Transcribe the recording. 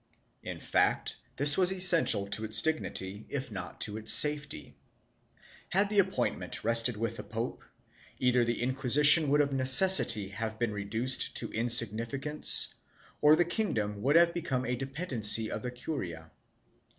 In fact this was essential to its dignity, if not to its safety. Had the appointment rested with the pope, either the Inquisition would of necessity have been reduced to insig nificance or the kingdom would have become a dependency of the curia.